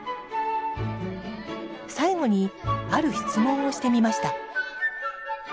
最後にある質問をしてみました